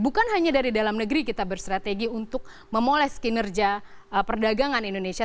bukan hanya dari dalam negeri kita bersrategi untuk memoles kinerja perdagangan indonesia